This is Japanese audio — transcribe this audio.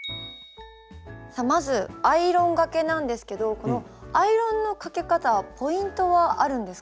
さあまずアイロンがけなんですけどこのアイロンのかけ方ポイントはあるんですか？